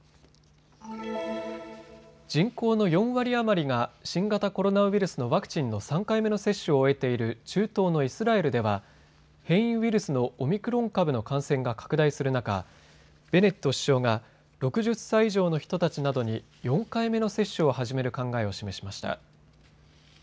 人口の４割余りが新型コロナウイルスのワクチンの３回目の接種を終えている中東のイスラエルでは変異ウイルスのオミクロン株の感染が拡大する中、ベネット首相が６０歳以上の人たちなどに４回目の接種を始める考えを示しました。